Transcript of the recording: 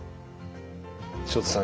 塩田さん